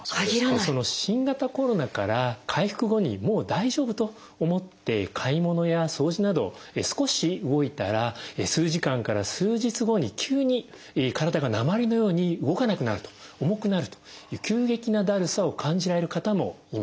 その新型コロナから回復後にもう大丈夫と思って買い物や掃除など少し動いたら数時間から数日後に急に体が鉛のように動かなくなると重くなるという急激なだるさを感じられる方もいます。